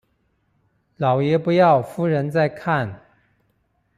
老爺不要夫人在看